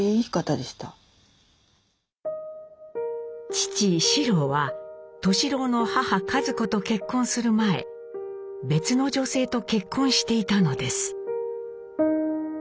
父四郎は敏郎の母和子と結婚する前別の女性と結婚していたのです。